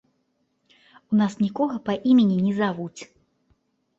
У нас нікога па імені не завуць.